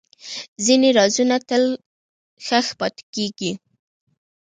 ځینې رازونه تل ښخ پاتې کېږي.